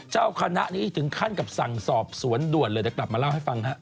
เจ้าคณะนี้ถึงขั้นกับสั่งสอบสวนด่วนเลยเดี๋ยวกลับมาเล่าให้ฟังฮะ